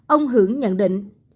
ông hưởng nhận định